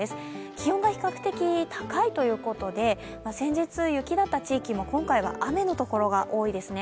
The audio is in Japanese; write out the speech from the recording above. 気温が比較的高いということで先日、雪だった地域も今回は雨のところが多いですね。